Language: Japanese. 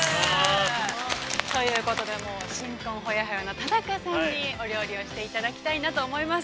◆ということで、新婚ホヤホヤの田中さんにお料理をしていただきたいなと思います。